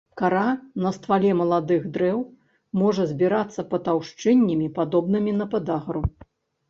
Кара на ствале маладых дрэў можа збірацца патаўшчэннямі, падобнымі на падагру.